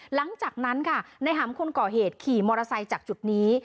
หลังจากนั้นค่ะในหำคนก่อเหตุขี่มอเตอร์ไซค์จากจุดนี้